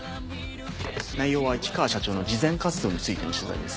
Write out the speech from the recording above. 内容は市川社長の慈善活動についての取材です。